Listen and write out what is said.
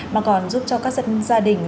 mà còn giúp cho các dân gia đình